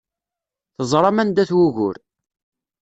Teẓram anda-t wugur.